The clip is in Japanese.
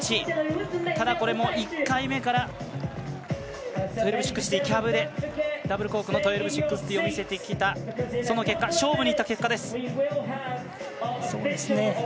ただ、これも１回目からキャブでダブルコークの１２６０を見せてきたその結果、勝負にいった結果です。